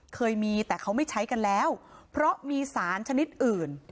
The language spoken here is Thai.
เคยมีแต่เขาไม่ใช้กันแล้วเพราะมีสารชนิดอื่น